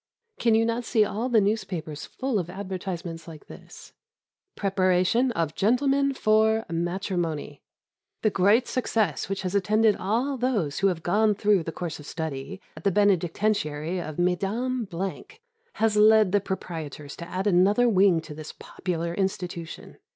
Can you not see all the newspapers full of advertisements like this: PREPARATION OF GENTLEMEN FOR MATRIMONY The great success which has attended all those who have gone through the course of study at the Benedictentiary of Mesdames has led the proprietors to add another wing to this popular institution.